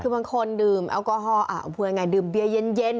คือบางคนดื่มแอลกอฮอล์เอาเพื่อนไงดื่มเบียร์เย็น